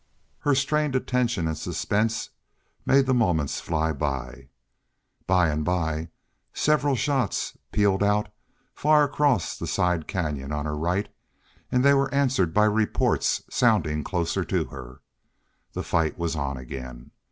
Her strained attention and suspense made the moments fly. By and by several shots pealed out far across the side canyon on her right, and they were answered by reports sounding closer to her. The fight was on again.